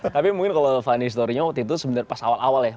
tapi mungkin kalau funny storynya waktu itu sebenarnya pas awal awal ya